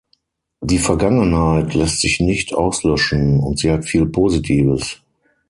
Die Vergangenheit lässt sich nicht auslöschen, und sie hat viel Positives.